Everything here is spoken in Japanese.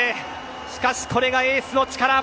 しかし、これがエースの力。